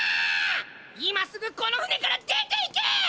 今すぐこの船から出ていけ！